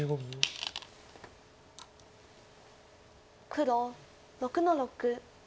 黒６の六。